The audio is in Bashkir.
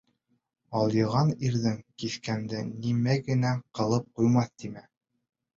Алйыған ирҙән һиҫкәнде, нимә генә ҡылып ҡуймаҫ тимә.